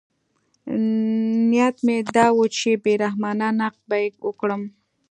نیت مې دا و چې بې رحمانه نقد به یې وکړم.